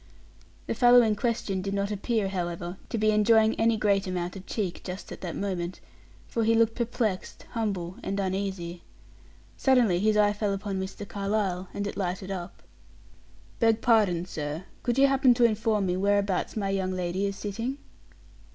The fellow in question did not appear, however, to be enjoying any great amount of cheek just at that moment, for he looked perplexed, humble and uneasy. Suddenly his eye fell upon Mr. Carlyle, and it lighted up. "Beg pardon, sir; could you happen to inform me where abouts my young lady is sitting?"